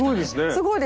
すごいです。